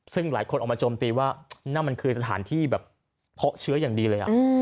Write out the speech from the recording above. ซึ่งหลายคนออกมาโจมตีว่านั่นมันคือสถานที่แบบเพาะเชื้ออย่างดีเลย